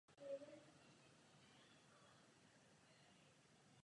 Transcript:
Zde létal jako civilní pilot pro British European Airways.